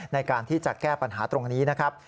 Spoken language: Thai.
ในการที่จะแก้ปัญหาตรงนี้นะครับ